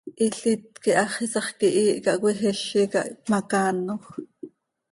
Hilít quih hax iisax quihiih cah cöijizi cah hpmacaanoj.